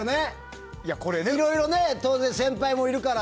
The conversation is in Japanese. いろいろ当然、先輩もいるから。